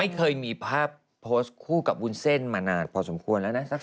เคยมีภาพโพสต์คู่กับวุ้นเส้นมานานพอสมควรแล้วนะ